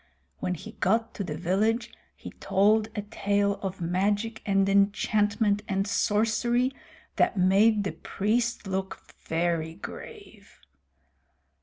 When he got to the village he told a tale of magic and enchantment and sorcery that made the priest look very grave.